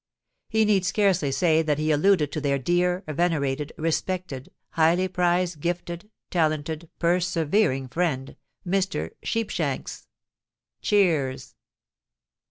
_) He need scarcely say that he alluded to their dear—venerated—respected—highly prized—gifted—talented—persevering friend, Mr. Sheepshanks! (_Cheers.